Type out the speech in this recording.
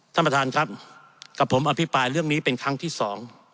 ท่านประธานครับกับผมอภิปรายเรื่องนี้เป็นครั้งที่สอง